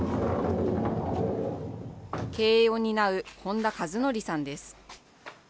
経営を担う本田和憲さんです。